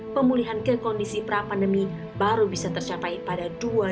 pemulihan kekondisi pra pandemi baru bisa tercapai pada dua ribu dua puluh empat